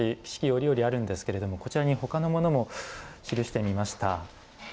折々あるんですけどもこちらに他のものも記してみました。